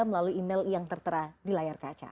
melalui email yang tertera di layar kaca